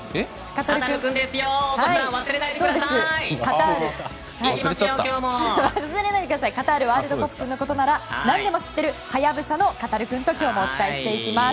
カタールワールドカップのことなら何でも知っているハヤブサのカタルくんと今日もお伝えしていきます。